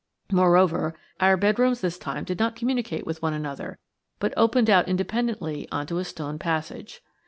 Moreover, our bedrooms this time did not communicate with one another, but opened out independently on to a stone passage.